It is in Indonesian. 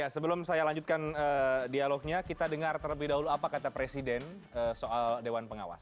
sebelum saya lanjutkan dialognya kita dengar terlebih dahulu apa kata presiden soal dewan pengawas